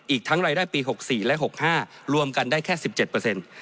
อีกทั้งรายได้ปีหกสี่และหกห้ารวมกันได้แค่สิบเจ็ดเปอร์เซ็นต์